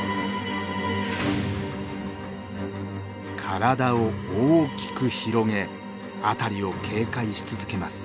体を大きく広げ辺りを警戒し続けます。